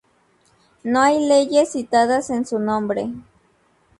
No hay leyes citadas en su nombre".